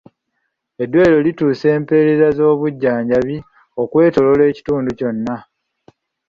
Eddwaaliro lituusa empeereza z'ebyobujjanjabi okwetooloola ekitundu kyonna.